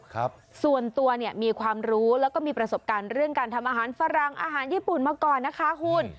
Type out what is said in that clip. ครับส่วนตัวเนี่ยมีความรู้แล้วก็มีประสบการณ์เรื่องการทำอาหารฝรั่งอาหารญี่ปุ่นมาก่อนนะคะคุณ